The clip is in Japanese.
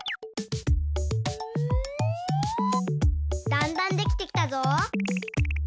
だんだんできてきたぞ。